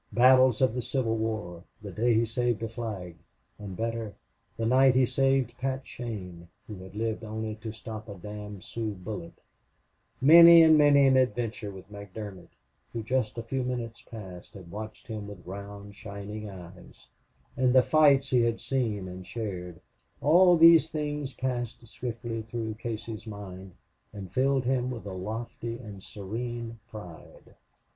Battles of the Civil War; the day he saved a flag; and, better, the night he saved Pat Shane, who had lived only to stop a damned Sioux bullet; many and many an adventure with McDermott, who, just a few minutes past, had watched him with round, shining eyes; and the fights he had seen and shared all these things passed swiftly through Casey's mind and filled him with a lofty and serene pride.